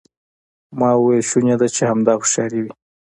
ما وویل شونې ده چې همدا هوښیاري وي.